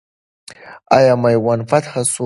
آیا میوند فتح سو؟